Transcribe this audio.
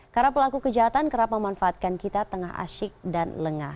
karena pelaku kejahatan kerap memanfaatkan kita tengah asyik dan lengah